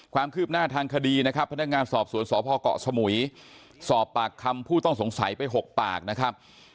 ความคืบหน้าทางคดีนะครับพนักงานสอบสวนสพเกาะสมุยสอบปากคำผู้ต้องสงสัยไป๖ปากนะครับ